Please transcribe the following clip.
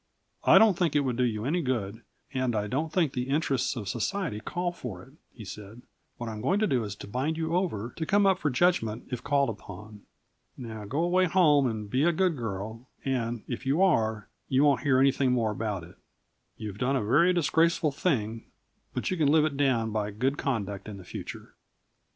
"I don't think it would do you any good, and I don't think the interests of society call for it," he said. "What I'm going to do is to bind you over to come up for judgment if called upon. Now, go away home, and be a good girl, and, if you are, you won't hear anything more about it. You have done a very disgraceful thing, but you can live it down by good conduct in the future."